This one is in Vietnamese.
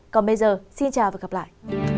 còn bây giờ xin chào và gặp lại